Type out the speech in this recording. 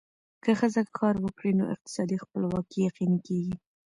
که ښځه کار وکړي، نو اقتصادي خپلواکي یقیني کېږي.